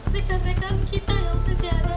rekan rekan kita yang masih ada